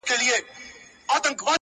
د دې زړه چاودې زندګۍ دې الله بيخ اوبسي